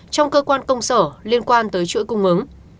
trong cơ quan công sở liên quan tới chuỗi cung ứng